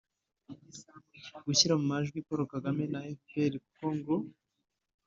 gushyira mu majwi paul kagame na fpr kuko ngo